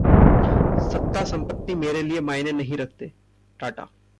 सत्ता, संपत्ति मेरे लिये मायने नहीं रखते: टाटा